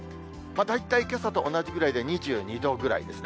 大体けさと同じぐらいで２２度ぐらいですね。